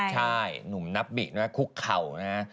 ใช่หนุ่มนับบินะคุกเข่านะฮะ